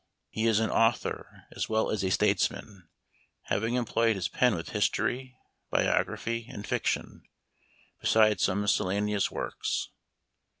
He is an author as well as a statesman, having employed his pen with history, biography, and fiction, besides some miscellaneous works.